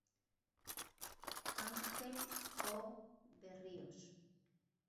Ángel O. Berríos.